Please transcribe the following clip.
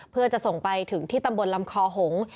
เพื่อจะส่งไปถึงที่ตำบลลำคอหงษ์